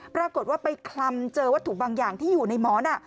ปรากฏว่าไปคลำเจอวัตถุบางอย่างที่อยู่ในหมอน